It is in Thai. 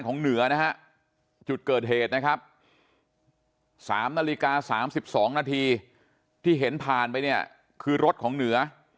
เหนือนะฮะจุดเกิดเหตุนะครับ๓นาฬิกา๓๒นาทีที่เห็นผ่านไปเนี่ยคือรถของเหนือ